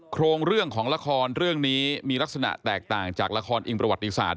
โครงเรื่องของละครเรื่องนี้มีลักษณะแตกต่างจากละครอิงประวัติศาสต